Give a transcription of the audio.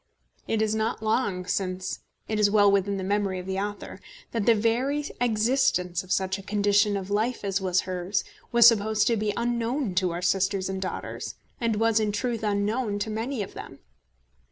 It is not long since, it is well within the memory of the author, that the very existence of such a condition of life as was hers, was supposed to be unknown to our sisters and daughters, and was, in truth, unknown to many of them.